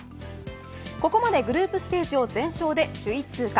ここまでグループステージを全勝で首位通過。